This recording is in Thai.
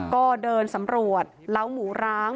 ก็เดินสำรวจเล้าหมูร้าง